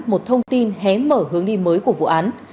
một thông tin hé mở hướng đi mới của vụ án